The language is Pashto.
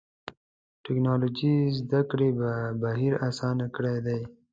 ټکنالوجي د زدهکړې بهیر آسانه کړی دی.